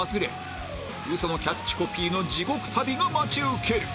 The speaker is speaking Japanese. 嘘のキャッチコピーの地獄旅が待ち受ける